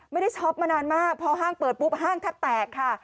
ไม่ได้ช้อปมานานมากพอห้างเปิดปุ๊บห้างทัดแตกค่ะ